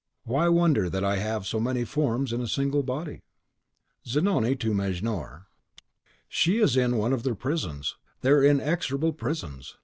(Why wonder that I have so many forms in a single body?) Zanoni to Mejnour. ..... "She is in one of their prisons, their inexorable prisons.